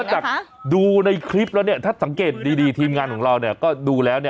จากดูในคลิปแล้วถ้าสังเกตดีทีมงานของเราก็ดูแล้ว